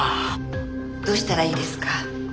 どうしたらいいですか？